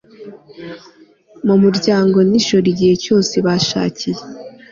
mu muryango ni joro igihe cyose bashakiye